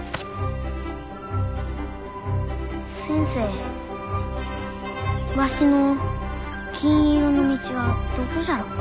先生わしの金色の道はどこじゃろうか？